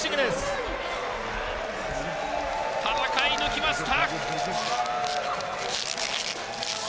田中、戦い抜きました。